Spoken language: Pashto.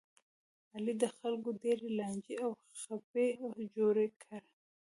علي د خلکو ډېرې لانجې او خبې جوړې کړلې.